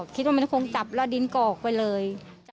คิดว่ามันคงจับระดิษฐ์กรอกไปเลย